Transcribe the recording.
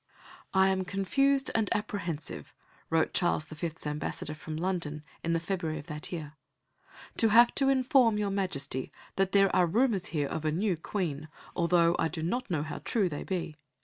"I am confused and apprehensive," wrote Charles V.'s ambassador from London in the February of that year, "to have to inform Your Majesty that there are rumours here of a new Queen, although I do not know how true they be....